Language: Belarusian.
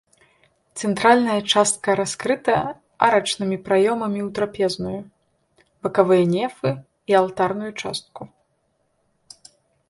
Цэнтральная частка раскрыта арачнымі праёмамі ў трапезную, бакавыя нефы і алтарную частку.